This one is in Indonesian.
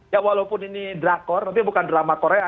ya walaupun ini drakor tapi bukan drama korea